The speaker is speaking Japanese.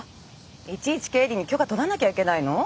いちいち経理に許可取らなきゃいけないの？